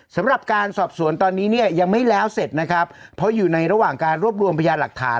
สำหรับการสอบสวนตอนนี้เนี่ยยังไม่แล้วเสร็จนะครับเพราะอยู่ในระหว่างการรวบรวมพยานหลักฐาน